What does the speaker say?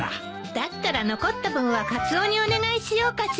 だったら残った分はカツオにお願いしようかしら。